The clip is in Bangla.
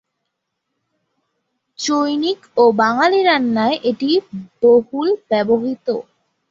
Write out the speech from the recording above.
চৈনিক ও বাঙালি রান্নায় এটি বহুল ব্যবহৃত।